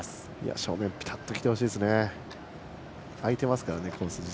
正面ビタっときてほしいです。